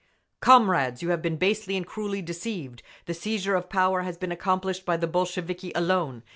Comrades! You have been basely and cruelly deceived! The seizure of power has been accomplished by the Bolsheviki alone….